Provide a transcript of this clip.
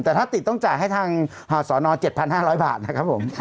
แต่ถ้าติดต้องจ่ายให้ทางสน๗๕๐๐บาทนะครับผม